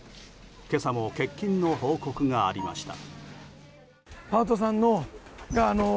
今朝も欠勤の報告がありました。